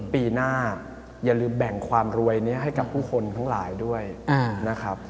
ปีหน้าอย่าลืมแบ่งความรวยนี้ให้กับผู้คนทั้งหลายด้วยนะครับ